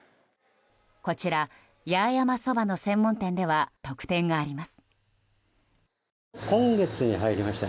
こちら、八重山そばの専門店では特典があります。